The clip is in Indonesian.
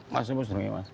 mas muzdengi mas